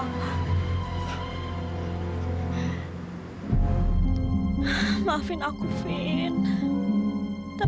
aku gak endangered sudah